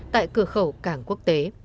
tại cửa khẩu cảng quốc tế